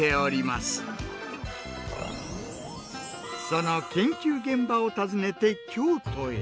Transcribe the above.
その研究現場を訪ねて京都へ。